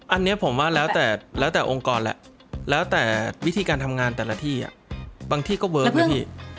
อันนี้ผมว่าแล้วแต่แล้วแต่องค์กรแล้วแล้วแต่วิธีการทำงานแต่ละที่บางที่ก็เวิร์คนะพี่